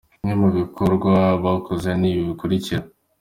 Bimwe mu bikorwa bakoze ni ibi bikurikira :